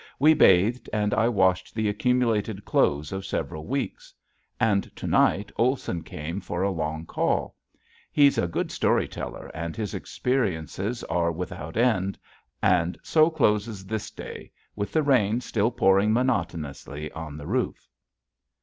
We bathed and I washed the accumulated clothes of several weeks. And to night Olson came for a long call. He's a good story teller and his experiences are without end. And so closes this day with the rain still pouring monotonously on the roof.